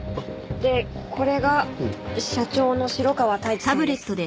でこれが社長の城川太一さんです。